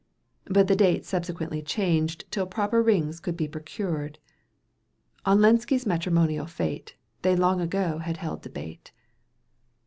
But the date subsequently changed Till proper rings could be procured. On Lenski's matrimonial fate They long ago had held debate.